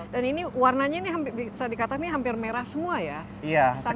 dan ini warnanya bisa dikatakan hampir merah semua ya